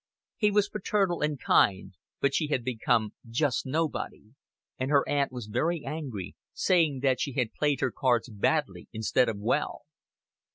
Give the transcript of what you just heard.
He was paternal and kind, but she had become just nobody; and her aunt was very angry, saying that she had played her cards badly instead of well.